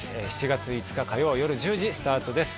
７月５日火曜夜１０時スタートです